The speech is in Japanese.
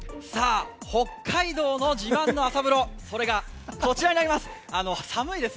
北海道の自慢の朝風呂、それがこちらになります！